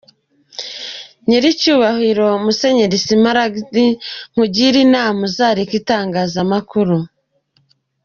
Nyiricyubahiro Myr Smaragde nkugire inama uzareke itangazamakuru.